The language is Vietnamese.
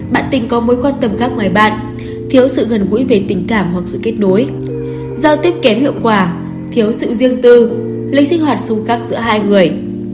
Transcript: bạn tình có mối quan tâm khác ngoài bạn thiếu sự gần gũi về tình cảm hoặc sự kết nối giao tiếp kém hiệu quả thiếu sự riêng tư linh sinh hoạt xung khác giữa hai người